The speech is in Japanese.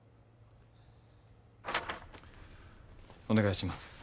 お願いします。